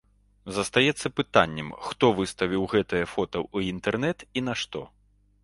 Застаецца пытаннем, хто выставіў гэтае фота ў інтэрнэт і нашто.